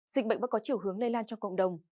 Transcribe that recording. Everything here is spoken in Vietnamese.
dịch bệnh vẫn có chiều hướng lây lan trong cộng đồng